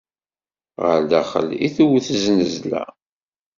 Ɣer daxel i tewwet znezla.